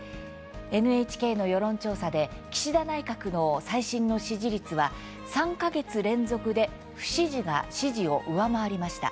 ＮＨＫの世論調査で岸田内閣の最新の支持率は３か月連続で不支持が支持を上回りました。